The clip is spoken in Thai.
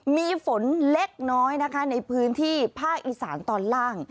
มีฝนเล็กน้อยนะคะในพื้นที่ภาคอีสานตอนล่าง